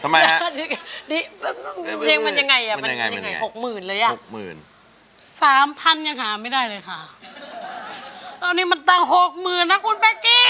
ไม่๒๐๐๐๖หมื่นละจำทั้งไหร่ค่ะเรานี้มันเติมหกหมื่นอาคุณแม็กกี้